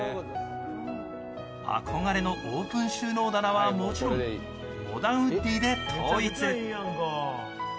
憧れのオープン収納棚はもちろん、モダンウッディで統一。